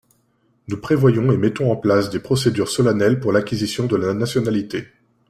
Nous prévoyons et mettons en place des procédures solennelles pour l’acquisition de la nationalité.